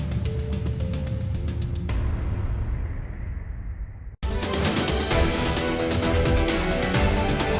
perpikiran yang tidak berhasil